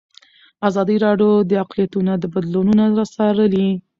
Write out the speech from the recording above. ازادي راډیو د اقلیتونه بدلونونه څارلي.